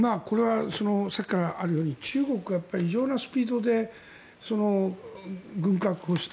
さっきからあるように中国が異常なスピードで軍拡をした。